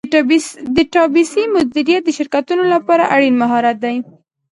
ډیټابیس مدیریت د شرکتونو لپاره اړین مهارت دی.